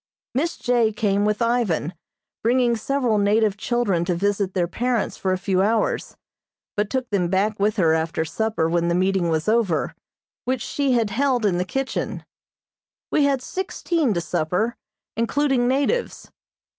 Miss J. came with Ivan, bringing several native children to visit their parents for a few hours, but took them back with her after supper when the meeting was over, which she had held in the kitchen. We had sixteen to supper, including natives.